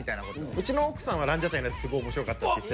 うちの奥さんは「ランジャタイのやつすごい面白かった」って言って。